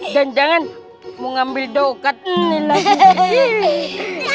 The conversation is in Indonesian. dan jangan mau ngambil dokat ini lagi